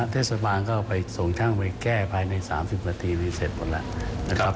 เทศบาลก็ไปส่งช่างไปแก้ภายใน๓๐นาทีมีเสร็จหมดแล้วนะครับ